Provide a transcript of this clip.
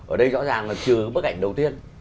ở đây rõ ràng là trừ bức ảnh đầu tiên